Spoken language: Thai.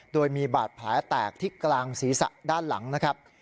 โดยมีบาดแผลแตกที่กลางศีรษะด้านหลังนะครับ